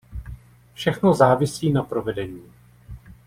Všechno závisí na provedení.